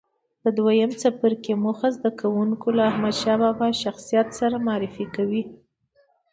د دویم څپرکي موخې زده کوونکي له احمدشاه بابا شخصیت سره معرفي کوي.